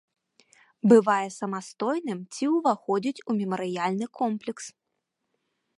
Бывае самастойным ці ўваходзіць у мемарыяльны комплекс.